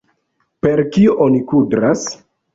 Per kio oni kudras?